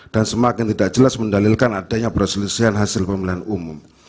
dan semakin tidak jelas mendalilkan adanya perselisihan hasil pemilihan umum